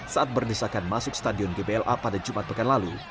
saat berdisahkan masuk stadion gbla pada jumat bekan lalu